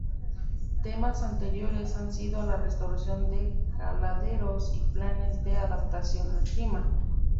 Temas anteriores han sido la restauración de caladeros y planes de adaptación al clima.